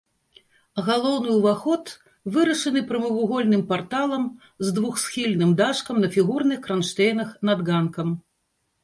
Галоўны ўваход вырашаны прамавугольным парталам з двухсхільным дашкам на фігурных кранштэйнах над ганкам.